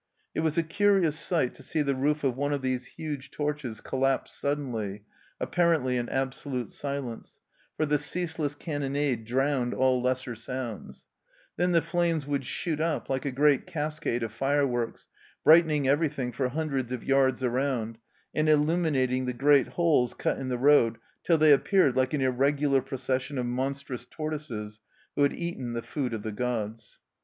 It was a curious sight to see the roof of one of these huge torches collapse suddenly, apparently in absolute silence, for the ceaseless cannonade drowned all lesser sounds ; then the flames would shoot up like a great cascade of fireworks, brightening everything for hundreds of yards around, and illuminating the great holes cut in the road till they appeared like an irregular procession of monstrous tortoises who had eaten the " Food of the Gods."